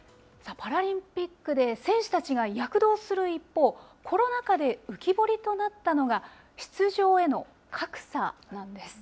パラリンピックで選手たちが躍動する一方、コロナ禍で浮き彫りとなったのが、出場への格差なんです。